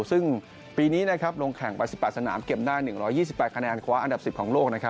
ซึ่งปีนี้ลงแข่งไป๑๘สนามเก็บได้๑๒๘คะแนนคว้าอันดับ๑๐ของโลก